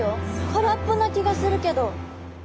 空っぽな気がするけど。